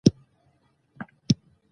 نو د يو خوني او قاتل په حېث